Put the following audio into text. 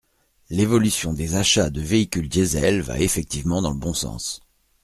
L’évolution des achats de véhicules diesel va effectivement dans le bon sens.